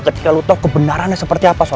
ketika lo tau kebenarannya seperti apa